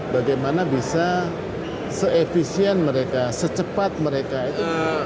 bagaimana bisa se efisien mereka secepat mereka itu